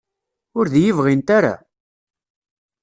Ur d-iyi-bɣint ara?